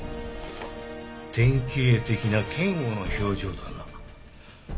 典型的な嫌悪の表情だな。